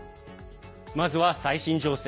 まずは最新情勢。